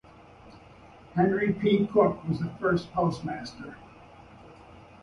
Henry P. Cook was the first postmaster.